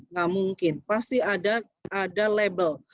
nggak mungkin pasti ada label